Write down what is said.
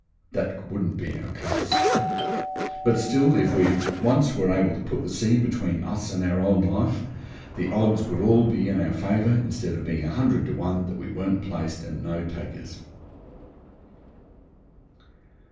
That wouldn't be our case; but still if we once were able to put the sea between us and our old life the odds would be all in our favour instead of being a hundred to one that we weren't placed and no takers.